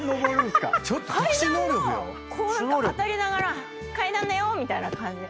階段のこう何か当たりながら階段だよみたいな感じで。